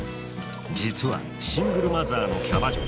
実はシングルマザーのキャバ嬢。